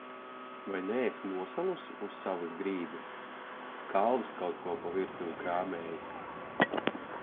Vai neesi nosalusi uz savas grīdas? Kalvis kaut ko pa virtuvi krāmējas.